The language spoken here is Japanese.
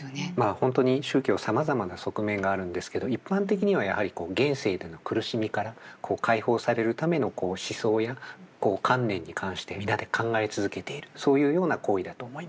本当に宗教はさまざまな側面があるんですけど一般的にはやはり現世での苦しみから解放されるための思想や観念に関して皆で考え続けているそういうような行為だと思います。